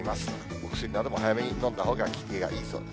お薬なども早めに飲んだ方が効きがいいそうです。